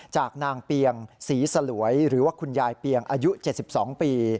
จากนางเปียงศรีสลวยหรือว่าคุณยายเปียงอายุ๗๒ปี